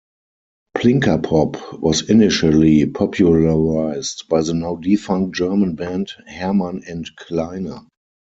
Plinkerpop was initially popularized by the now-defunct German band Herrmann and Kleine.